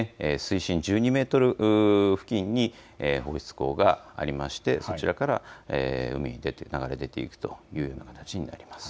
水深１２メートル付近に放出口がありまして、そちらから海に流れ出ていくというような形になります。